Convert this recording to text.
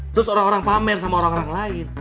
terus orang orang pamer sama orang orang lain